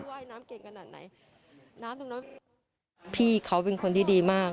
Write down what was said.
แฟนสาวโดนด้วยว่า